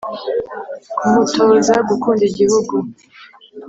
kumutoza gukunda igihugu